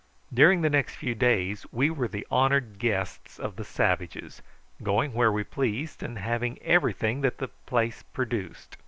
During the next few days we were the honoured guests of the savages, going where we pleased, and having everything that the place produced.